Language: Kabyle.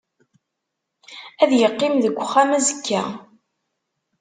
Ad iqqim deg uxxam azekka.